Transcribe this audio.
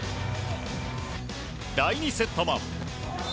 第２セットも。